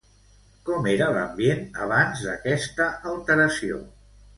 Com era l'ambient abans d'aquesta alteració?